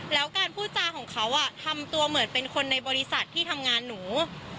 แล้วการพูดจาของเขาทำตัวเหมือนเป็นคนในบริษัทที่ทำงานหนู